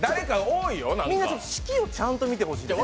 みんな指揮をちゃんと見てほしいです。